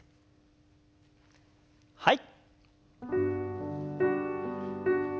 はい。